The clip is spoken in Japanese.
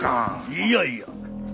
いやいや。